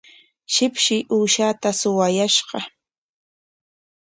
Shipshi uushaata suwakuyashqa.